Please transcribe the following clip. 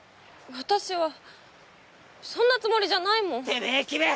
私はそんなつもりじゃないもんてめぇ木部！